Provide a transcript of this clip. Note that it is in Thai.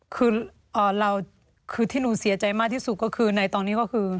คือเราคือที่หนูเสียใจมากที่สุดก็คือในตอนนี้ก็คือ